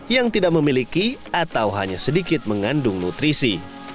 yang tidak memiliki atau hanya sedikit mengandung nutrisi